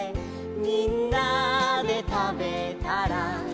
「みんなでたべたら」